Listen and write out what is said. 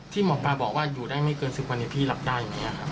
หมอปลาบอกว่าอยู่ได้ไม่เกิน๑๐วันนี้พี่รับได้อย่างนี้ครับ